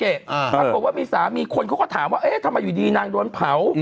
ปรากฏว่ามีสามีคนเขาก็ถามว่าเอ๊ะทำไมอยู่ดีนางโดนเผา